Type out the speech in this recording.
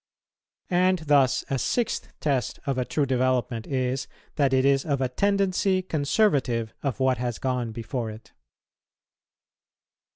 And thus a sixth test of a true development is that it is of a tendency conservative of what has gone before it.